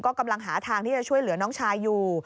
กำลังหาทางที่จะช่วยเหลือน้องชายอยู่